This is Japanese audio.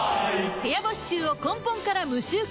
部屋干し臭を根本から無臭化